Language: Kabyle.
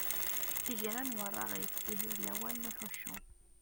Igran weṛṛaɣit, ihi d lawan n uḥuccu.